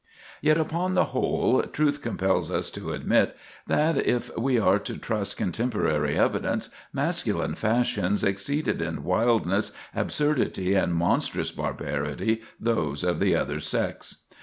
Yet, upon the whole, truth compels us to admit that, if we are to trust contemporary evidence, masculine fashions exceeded in wildness, absurdity, and monstrous barbarity those of the other sex.